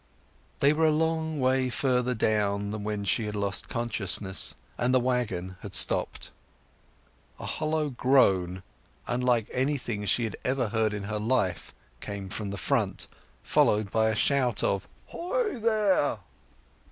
They were a long way further on than when she had lost consciousness, and the waggon had stopped. A hollow groan, unlike anything she had ever heard in her life, came from the front, followed by a shout of "Hoi there!"